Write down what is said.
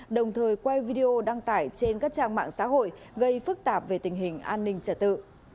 đồng thời quay video đăng tải trên các trang mạng xã hội gây phức tạp về tình hình an ninh trả tự